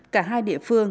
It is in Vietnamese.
cả hai địa phương